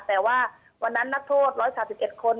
แต่ว่าวันนั้นนักโทษ๑๓๑คน